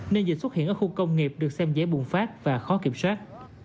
nên dịch xuất hiện ở khu công nghiệp được xem dễ bùng phát và khó kiểm soát